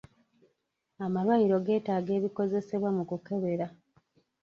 Amalwaliro getaaga ebikozesebwa mu kukebera.